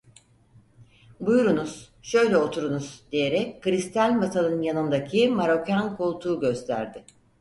"Buyurunuz, şöyle oturunuz!" diyerek, kristal masanın yanındaki maroken koltuğu gösterdi.